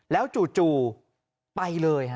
แล้วจู่ไปเลย